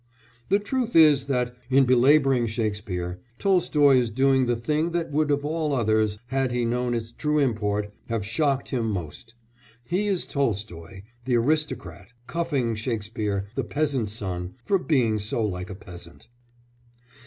The truth is that, in belabouring Shakespeare, Tolstoy is doing the thing that would of all others, had he known its true import, have shocked him most: he is Tolstoy the aristocrat cuffing Shakespeare the peasant's son for being so like a peasant.